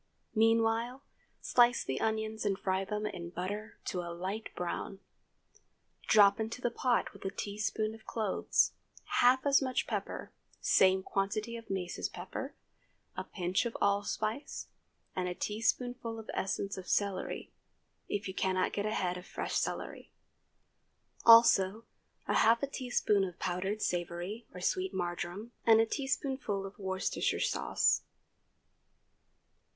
Meanwhile, slice the onions and fry them in butter to a light brown. Drop into the pot with a teaspoonful of cloves, half as much pepper, same quantity of mace as pepper, a pinch of allspice, and a teaspoonful of essence of celery, if you cannot get a head of fresh celery; also half a teaspoonful of powdered savory or sweet marjoram, and a teaspoonful of Worcestershire sauce.